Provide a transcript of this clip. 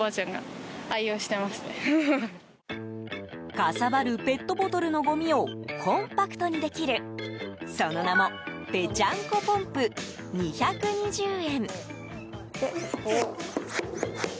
かさばるペットボトルのごみをコンパクトにできるその名もペチャンコポンプ２２０円。